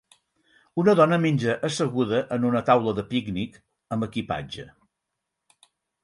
Una dona menja asseguda en una taula de pícnic amb equipatge.